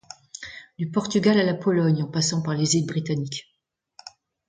Du Portugal à la Pologne en passant par les îles Britanniques.